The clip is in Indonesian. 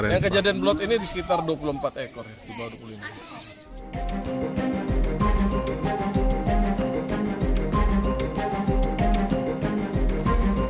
yang kejadian blok ini di sekitar dua puluh empat ekor di bawah dua puluh lima